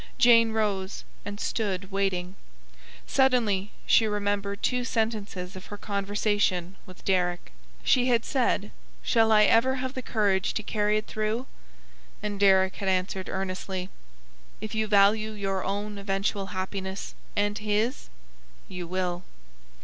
Jane rose and stood waiting. Suddenly she remembered two sentences of her conversation with Deryck. She had said: "Shall I ever have the courage to carry it through?" And Deryck had answered, earnestly: "If you value your own eventual happiness and his, you will."